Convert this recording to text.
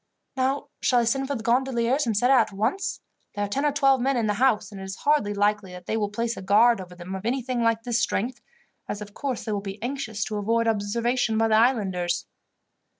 "Now, shall I send for the gondoliers and set out at once? There are ten or twelve men in the house, and it is hardly likely that they will place a guard over them of anything like this strength, as of course they will be anxious to avoid observation by the islanders."